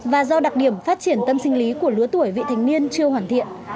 và do đặc điểm phát triển tâm sinh lý của lứa tuổi vị thành niên chưa hoàn thiện